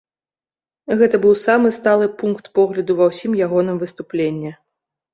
Гэта быў самы сталы пункт погляду ва ўсім ягоным выступленні.